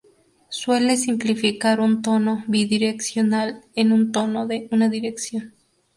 Suele simplificar un tono bidireccional en un tono de una dirección.